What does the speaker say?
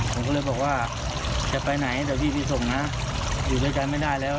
ผมก็เลยบอกว่าจะไปไหนเดี๋ยวพี่ไปส่งนะอยู่ด้วยกันไม่ได้แล้ว